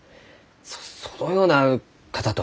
そそのような方と。